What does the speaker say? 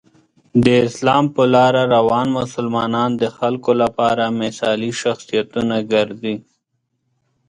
د اسلام په لاره روان مسلمانان د خلکو لپاره مثالي شخصیتونه ګرځي.